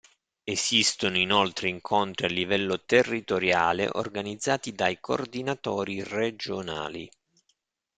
Esistono inoltre incontri a livello territoriale, organizzati dai coordinatori regionali.